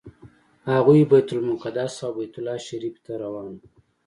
هغوی بیت المقدس او بیت الله شریف ته روان وو.